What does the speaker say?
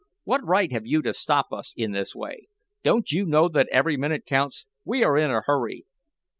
"What right have you to stop us in this way? Don't you know that every minute counts? We are in a hurry."